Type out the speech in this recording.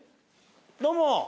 どうも。